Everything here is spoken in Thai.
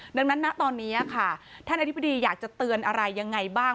ดังนั้นนะตอนนี้ค่ะท่านอธิบดีอยากจะเตือนอะไรยังไงบ้าง